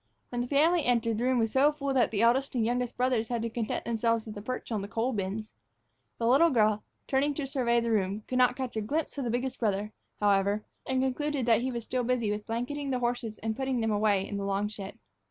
When the family entered, the room was so full that the eldest and the youngest brothers had to content themselves with a perch on the coal bins. The little girl, turning to survey the room, could not catch a glimpse of the biggest brother, however, and finally concluded that he was still busy with blanketing the horses and putting them away in the long shed.